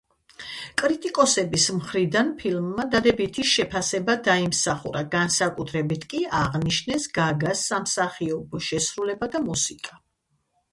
კრიტიკოსების მხრიდან ფილმა დადებითი შეფასება დაიმსახურა, განსაკუთრებით კი აღნიშნეს გაგას სამსახიობო შესრულება და მუსიკა.